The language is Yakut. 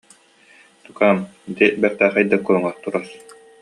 Тукаам, ити бэртээхэй да куруҥах турар